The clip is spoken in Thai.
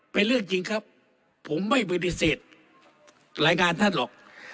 เป็นเรื่องจริงครับผมไม่ปฏิเสธรายงานท่านหรอก